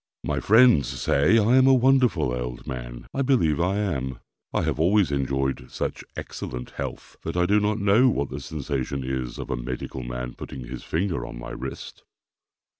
My friends say I am a wonderful old man. I believe I am. I have always enjoyed such excellent health, that I do not know what the sensation is of a medical man putting his finger on my wrist.